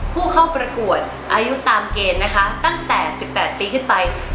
ผู้เข้าประกวดอายุตามเกณฑ์นะคะตั้งแต่๑๘ปีขึ้นไป